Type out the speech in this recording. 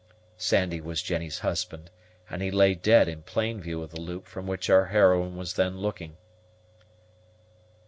Sandy was Jennie's husband, and he lay dead in plain view of the loop from which our heroine was then looking.